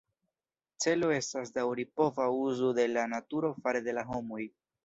Celo estas daŭripova uzu de la naturo fare de la homoj.